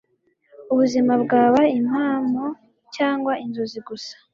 ubuzima bwaba impamo cyangwa inzozi gusa